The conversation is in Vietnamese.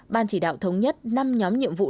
ban chỉ đạo thống nhất năm nhóm nhiệm vụ